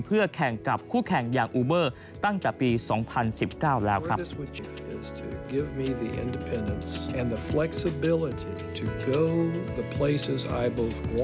เพื่อแข่งกับคู่แข่งอย่างอูเบอร์ตั้งแต่ปี๒๐๑๙แล้วครับ